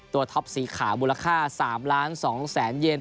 ตัวท็อปสีขาวมูลค่า๓๒ล้านเยน